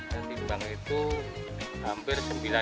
yang diperlukan itu hampir sepuluh